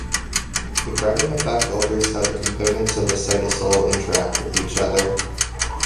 This crowding effect alters how the components of the cytosol interact with each other.